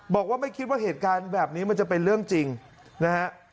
บอกว่าไม่คิดว่าเหตุการณ์แบบนี้มันจะเป็นเรื่องจริงนะฮะ